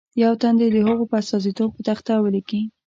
یو تن دې د هغو په استازیتوب په تخته ولیکي.